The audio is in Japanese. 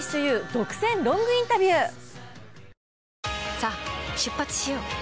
さあ出発しよう。